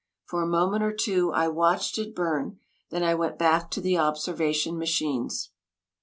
For a moment or two I watched it burn; then I went back to the observation machines.